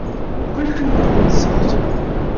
Quickly produziert.